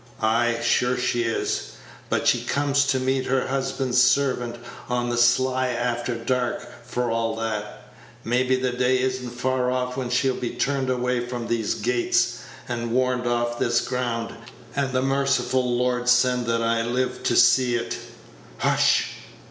Ay, sure she is; but she comes to meet her husband's servant on the sly, after dark, for all that. Maybe the day is n't far off when she'll be turned away from these gates, and warned off this ground, and the merciful Lord send that I live to see it. Hush!"